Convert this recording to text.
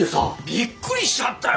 びっくりしちゃったよ